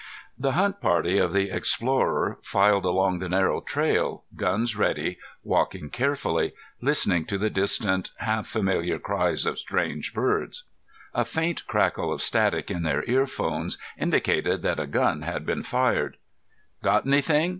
The hunt party of the Explorer filed along the narrow trail, guns ready, walking carefully, listening to the distant, half familiar cries of strange birds. A faint crackle of static in their earphones indicated that a gun had been fired. "Got anything?"